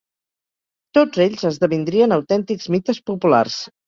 Tots ells esdevindrien autèntics mites populars.